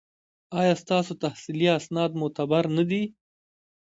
ایا ستاسو تحصیلي اسناد معتبر نه دي؟